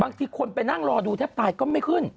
คนไปนั่งรอดูแทบตายก็ไม่ขึ้น